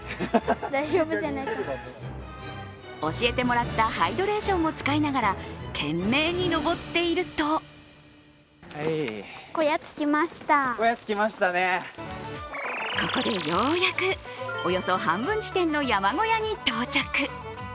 教えてもらったハイドレーションも使いながら、懸命に登っているとここでようやくおよそ半分地点の山小屋に到着。